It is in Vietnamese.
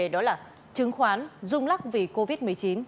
nhăn đề đó là chứng khoán rung lắc vì covid một mươi chín